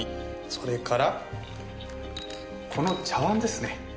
それからこの茶碗ですね。